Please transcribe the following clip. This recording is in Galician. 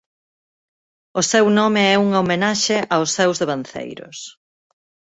O seu nome é unha homenaxe aos seus devanceiros.